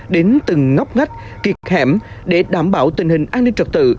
đến từng ngóc ngách kiệt hẻm để đảm bảo tình hình an ninh trật tự